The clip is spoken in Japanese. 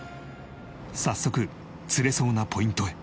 早速釣れそうなポイントへ。